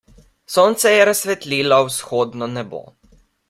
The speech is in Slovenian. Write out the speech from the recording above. Sonce je razsvetlilo vzhodno nebo.